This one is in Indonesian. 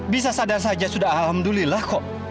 bisa saja sudah alhamdulillah kok